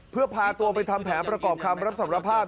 เพื่อพาตัวไปทำแผนประกอบคำรับสารภาพ